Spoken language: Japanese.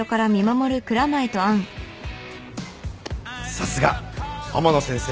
さすが天野先生！